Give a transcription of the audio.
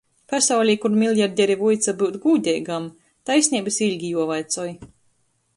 Pasaulī, kur miljarderi vuica byut gūdeigam, taisneibys ilgi juovaicoj...